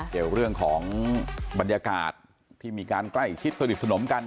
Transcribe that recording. เกี่ยวกับเรื่องของบรรยากาศที่มีการใกล้ชิดสนิทสนมกัน